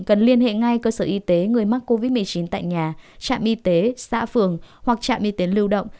cần liên hệ ngay cơ sở y tế người mắc covid một mươi chín tại nhà trạm y tế xã phường hoặc trạm y tế lưu động